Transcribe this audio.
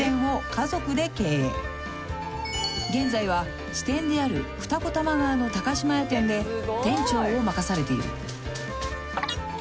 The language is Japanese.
［現在は支店である二子玉川の島屋店で店長を任されている］